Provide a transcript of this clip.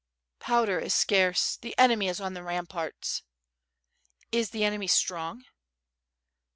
"Powder is scarce, the enemy is on the ramparts." "Is the enemy strong?"